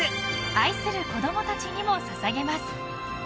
愛する子供たちにもささげます。